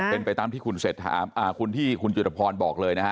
เป็นไปตามที่คุณเศรษฐานหรอหรือที่คุณจุฏพรบอกเลยนะครับ